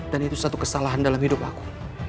dan itu satu kesalahan dalam hidupku